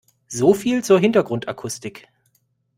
So viel zur Hintergrundakustik.